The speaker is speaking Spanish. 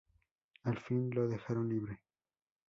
Al fin, lo dejaron libre.